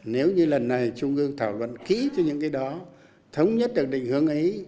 nếu như lần này trung ương thảo luận kỹ cho những cái đó thống nhất được định hướng ấy